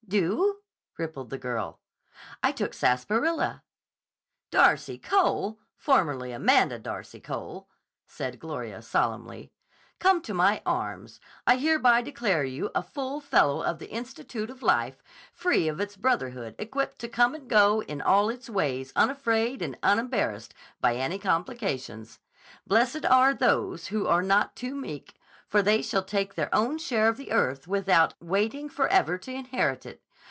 "Do?" rippled the girl. "I took sarsaparilla." "Darcy Cole, formerly Amanda Darcy Cole," said Gloria solemnly. "Come to my arms. I hereby declare you a full Fellow of the Institute of Life, free of its brotherhood, equipped to come and go in all its ways unafraid and unembarrassed by any complication. Blessed are those who are not too meek, for they shall take their own share of the earth without waiting forever to inherit it.